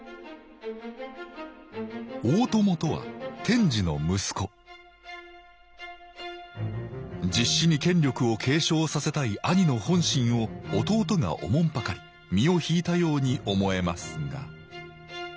大友とは天智の息子実子に権力を継承させたい兄の本心を弟がおもんぱかり身を引いたように思えますが。